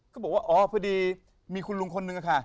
ก็บอกว่าอ๋อพอดีมีคุณลุงคนนึงค่ะ